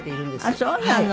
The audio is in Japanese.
あっそうなの。